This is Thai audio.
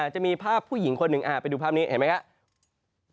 จะมีภาพผู้หญิงคนหนึ่งไปดูภาพนี้เห็นไหมครับ